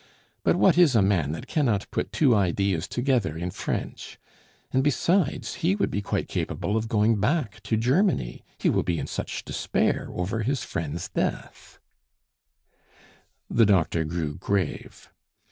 But what is a man that cannot put two ideas together in French? And besides, he would be quite capable of going back to Germany, he will be in such despair over his friend's death " The doctor grew grave.